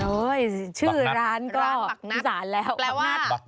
โอ้ยชื่อร้านก็อีสานแล้ว